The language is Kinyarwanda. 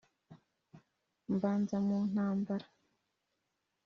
mbanza mu ntambara,